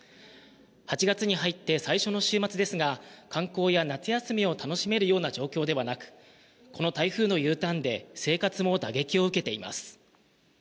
８月に入って最初の週末ですが観光や夏休みを楽しめるような状況ではなくこの台風のＵターンで生活も打撃を受けています。